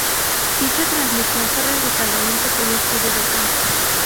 Dicha transmisión fue realizada en un pequeño estudio del campus.